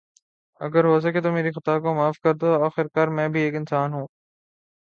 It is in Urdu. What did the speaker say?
اگر ہوسکے تو میری خطا کو معاف کردو۔ آخر کار میں بھی ایک انسان ہوں۔